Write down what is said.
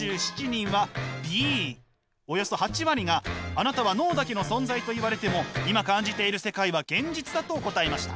およそ８割が「あなたは脳だけの存在」と言われても「今感じている世界は現実だ」と答えました。